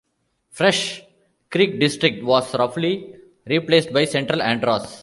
Fresh Creek district was roughly replaced by Central Andros.